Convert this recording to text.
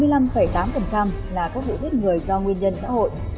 là các vụ giết người do nguyên nhân xã hội